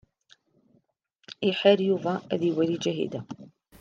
Iḥar Yuba ad iwali Ǧahida.